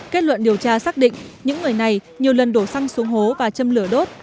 kết luận điều tra xác định những người này nhiều lần đổ xăng xuống hố và châm lửa đốt